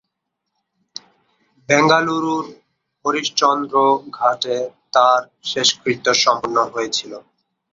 বেঙ্গালুরুর হরিশচন্দ্র ঘাটে তাঁর শেষকৃত্য সম্পন্ন হয়েছিল।